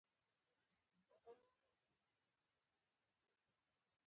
ښرنې هوا ګرمه ده؟